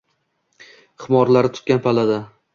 Xumorlari tutgan pallada